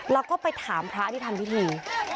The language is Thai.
แล้วก็ไปถามพระอธิษฐานพิธี